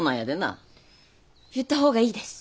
言った方がいいです。